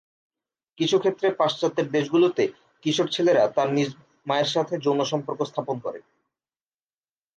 কিছু ক্ষেত্রে পাশ্চাত্যের দেশগুলোতে কিশোর ছেলেরা তার নিজ মায়ের সাথে যৌন সম্পর্ক স্থাপন করে।